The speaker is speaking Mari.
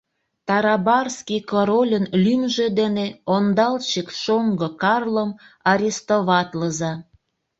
— Тарабарский корольын лӱмжӧ дене ондалчык шоҥго Карлом арестоватлыза!